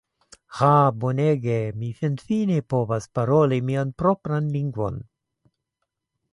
"Ha bonege! Mi finfine povas paroli mian propran lingvon!"